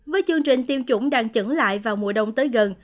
với chương trình tiêm chủng đang trứng lại vào mùa đông tới gần